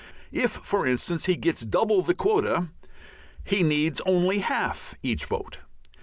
If, for instance, he gets double the quota he needs only half each vote.